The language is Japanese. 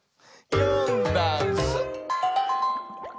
「よんだんす」